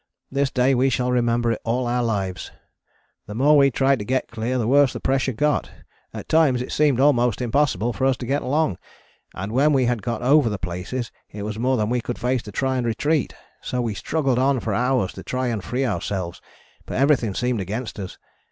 This day we shall remember all our lives. The more we tried to get clear the worse the pressure got; at times it seemed almost impossible for us to get along, and when we had got over the places it was more than we could face to try and retreat; so we struggled on for hours to try and free ourselves, but everything seemed against us.